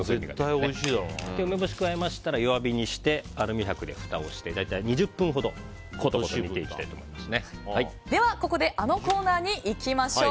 梅干しを加えましたら弱火にしてアルミ箔でふたをして大体２０分ほどここであのコーナーに行きましょう。